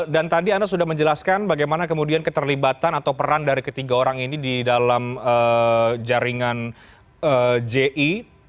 dan tadi anda sudah menjelaskan bagaimana kemudian keterlibatan atau peran dari ketiga orang ini di dalam jaringan ji